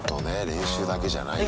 練習だけじゃないんだ。